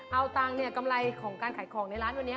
เอาตังค์เนี่ยกำไรของการขายของในร้านวันนี้